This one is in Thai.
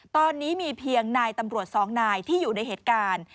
ตอนนี้มีเพียงนายตำรวจสองนายที่อยู่ในเหตุการณ์